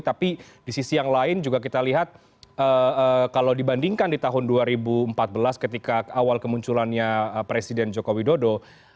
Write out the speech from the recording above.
tapi di sisi yang lain juga kita lihat kalau dibandingkan di tahun dua ribu empat belas ketika awal kemunculannya presiden joko widodo